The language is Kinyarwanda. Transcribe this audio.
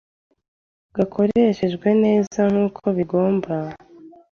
iyo gakoreshejwe neza nkuko bigomba